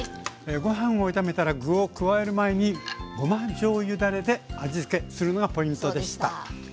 ご飯を炒めたら具を加える前にごまじょうゆだれで味つけするのがポイントでした。